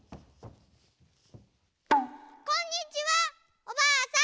こんにちはおばあさん。